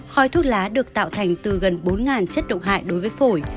khói thuốc lá được tạo thành từ gần bốn chất độc hại đối với phổi